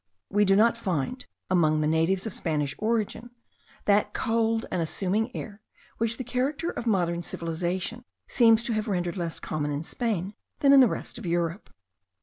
We do not find among the natives of Spanish origin, that cold and assuming air which the character of modern civilization seems to have rendered less common in Spain than in the rest of Europe.